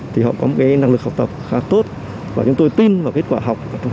thì cũng xuất phát từ thí sinh